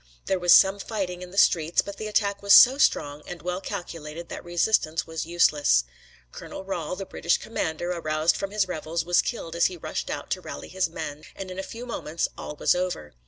There was some fighting in the streets, but the attack was so strong and well calculated that resistance was useless. Colonel Rahl, the British commander, aroused from his revels, was killed as he rushed out to rally his men, and in a few moments all was over.